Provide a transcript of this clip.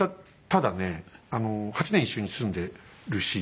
ただね８年一緒に住んでるし。